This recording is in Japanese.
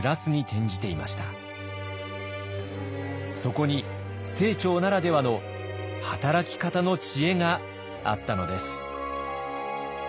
そこに清張ならではの働き方の知恵があったのです。